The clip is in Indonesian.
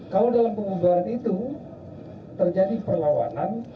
kalau dalam pembubaran itu terjadi perlawanan